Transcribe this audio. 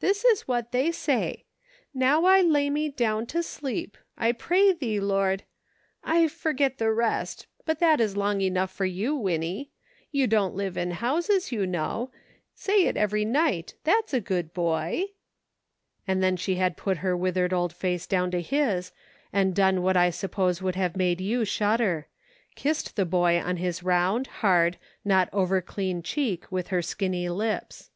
This is what they say :* Now I lay me down to sleep, I pray thee. Lord '— I forget the" rest, but that is long IN SEARCH OF HOME. 2/ enough for you, Winnie ; you don't live in houses, you know; say it every night, that's a good boy." And then she had put her withered old face down to his, and done what I suppose would have made you shudder : kissed the boy on his round, hard, not overclean cheek with her skinny lips.